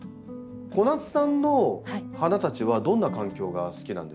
小夏さんの花たちはどんな環境が好きなんですか？